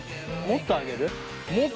もっと上げる？